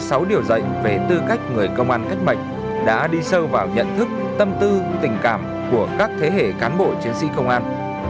sau sáu điều dạy về tư cách người công an cách mệnh đã đi sâu vào nhận thức tâm tư tình cảm của các thế hệ cán bộ chiến sĩ công an